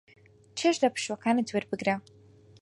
چێژ لە پشووەکانت وەربگرە.